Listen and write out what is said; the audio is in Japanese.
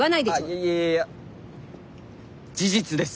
いやいや事実です。